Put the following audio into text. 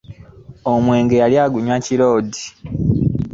Omwenge yali agunywa kiroodi.